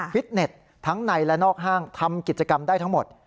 ฟิตเน็ตทั้งในและนอกห้างทำกิจกรรมได้ทั้งหมด